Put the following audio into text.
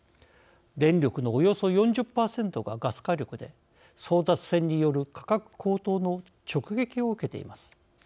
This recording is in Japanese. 電力のおよそ４０％がガス火力で争奪戦による価格高騰の直撃を受けています。